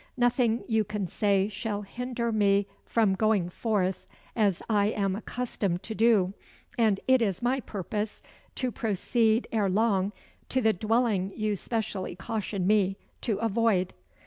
Nothing you can say shall hinder me from going forth as I am accustomed to do; and it is my purpose to proceed ere long to the dwelling you specially caution me to avoid."